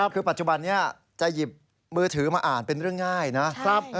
คือปัจจุบันนี้จะหยิบมือถือมาอ่านเป็นเรื่องง่ายนะครับ